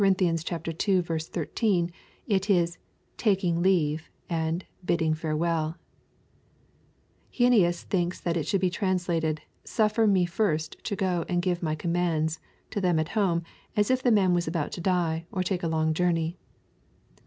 ii 13, it is " taking leave," and " bidding fSeirewelL" Heinsius thinks that it should be translated, *^ suffer me first to go and give my commands" to them at home, as if the man was about to die, or take a long journey.